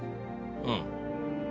うん。